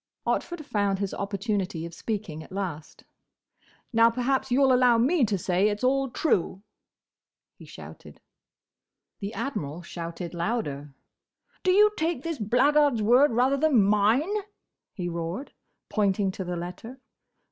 Otford found his opportunity of speaking at last. "Now, perhaps you 'll allow me to say it's all true," he shouted. The Admiral shouted louder. "Do you take this blackguard's word rather than mine?" he roared, pointing to the letter.